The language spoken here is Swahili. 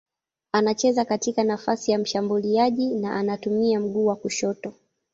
Anacheza katika nafasi ya mshambuliaji na anatumia mguu wa kushoto.